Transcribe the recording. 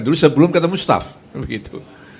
dulu sebelum ketemu staff begitu